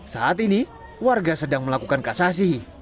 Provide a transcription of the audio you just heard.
saat ini warga sedang melakukan kasasi